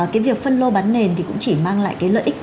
cái việc phân lô bán nền thì cũng chỉ mang lại cái lợi ích kinh doanh